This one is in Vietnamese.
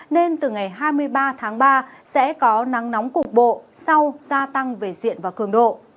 nên từ ngày hai mươi ba tháng ba sẽ có nắng nóng cục bộ sau gia tăng về diện và cường độ